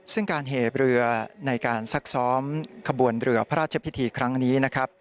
ซึ่งการเหเรือในการซักซ้อมขบวนเรือพระราชพิธีครั้งนี้นะครับ